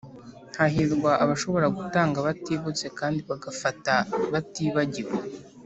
"hahirwa abashobora gutanga batibutse kandi bagafata batibagiwe."